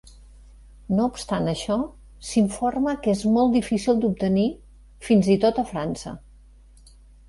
No obstant això, s'informa que és molt difícil d'obtenir fins i tot a França.